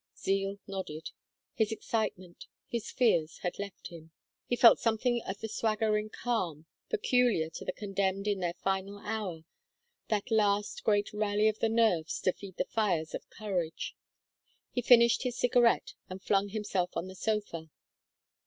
Zeal nodded. His excitement, his fears, had left him. He felt something of the swagger in calm peculiar to the condemned in their final hour, that last great rally of the nerves to feed the fires of courage. He finished his cigarette and flung himself on the sofa.